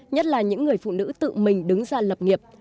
nhất là những người phụ nữ tự mình đứng ra lập nghiệp